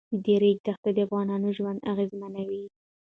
د ریګ دښتې د افغانانو ژوند اغېزمنوي.